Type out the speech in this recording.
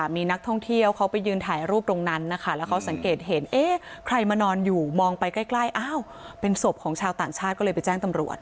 มีนักท่องเที่ยวเขาไปยืนถ่ายรูปตรงนั้นนะคะแล้วเขาสังเกตเห็นเอ๊ะใครมานอนอยู่มองไปใกล้อ้าวเป็นศพของชาวต่างชาติก็เลยไปแจ้งตำรวจ